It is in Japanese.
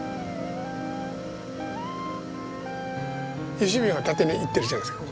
嘉瓶は縦にいってるじゃないですか。